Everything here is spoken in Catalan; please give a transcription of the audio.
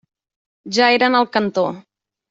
Ja eren al cantó.